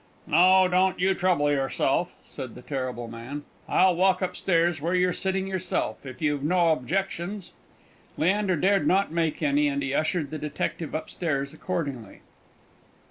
"No, don't you trouble yourself," said the terrible man. "I'll walk upstairs where you're sitting yourself, if you've no objections." Leander dared not make any, and he ushered the detective upstairs accordingly.